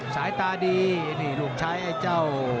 สายตาดีนี่ลูกชายไอ้เจ้า